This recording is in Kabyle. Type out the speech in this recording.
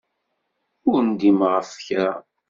Ur ndimeɣ ɣef kra.